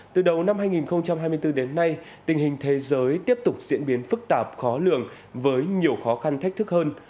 từ đầu năm hai nghìn hai mươi bốn đến nay tình hình thế giới tiếp tục diễn biến phức tạp khó lường với nhiều khó khăn thách thức hơn